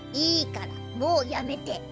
いいからもうやめて。